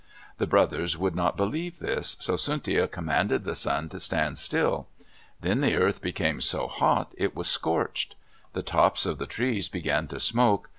The brothers would not believe this, so Tsuntia commanded the sun to stand still. Then the earth became so hot it was scorched. The tops of the trees began to smoke.